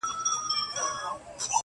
• زۀ خپله خان یمه خان څۀ ته وایي ,